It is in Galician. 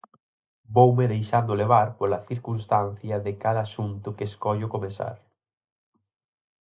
Voume deixando levar pola circunstancia de cada asunto que escollo comezar.